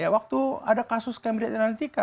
waktu ada kasus cambridge analytica